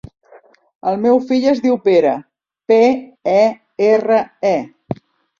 El meu fill es diu Pere: pe, e, erra, e.